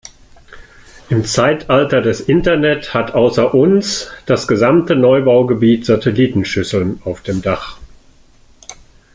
Im Zeitalter des Internet hat außer uns, das gesamte Neubaugebiet Satellitenschüsseln auf dem Dach.